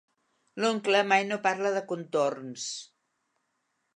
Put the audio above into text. L'oncle mai no parla de contorns.